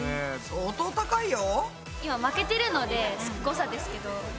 相当高いよ。